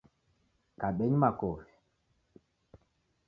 Kabenyi makofi.